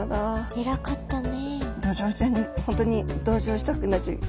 偉かったね。